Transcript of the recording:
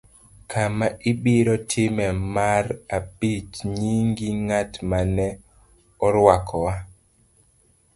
Kama ibiro timee mar abich. Nying ' ng'at ma ne orwakowa